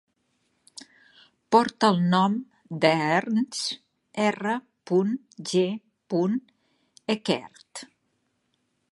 Porta el nom d'Ernst R. G. Eckert.